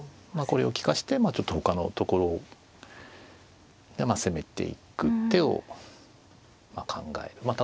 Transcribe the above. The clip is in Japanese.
これを利かしてちょっと他のところを攻めていく手を考える。